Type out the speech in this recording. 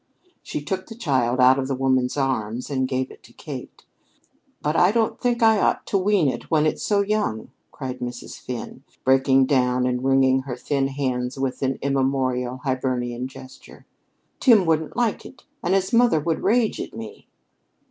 She took the child out of the woman's arms and gave it to Kate. "But I don't think I ought to wean it when it's so young," cried Mrs. Finn, breaking down and wringing her thin hands with an immemorial Hibernian gesture. "Tim wouldn't like it, and his mother would rage at me."